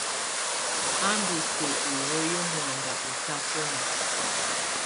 A ndɔ siǝ́ u wǝ́yi muanda ɔ tabɔna.